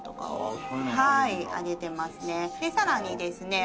さらにですね